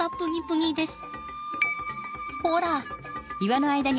ほら。